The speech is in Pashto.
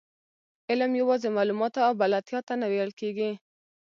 علم یوازې معلوماتو او بلدتیا ته نه ویل کېږي.